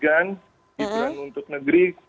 gibran untuk negeri